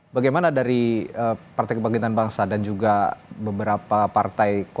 bagaimana dari partai kebagian tanpa bangsa dan juga beberapa para pemilu